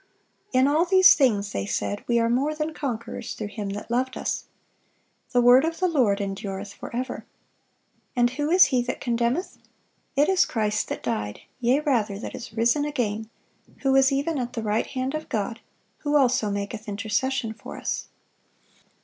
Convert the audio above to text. "In all these things," they said, "we are more than conquerors through Him that loved us."(583) "The word of the Lord endureth forever."(584) And "who is he that condemneth? It is Christ that died, yea rather, that is risen again, who is even at the right hand of God, who also maketh intercession for us."